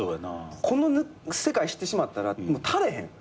この世界知ってしまったら足れへん。